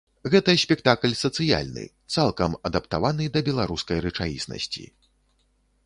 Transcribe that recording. Гэта спектакль сацыяльны, цалкам адаптаваны да беларускай рэчаіснасці.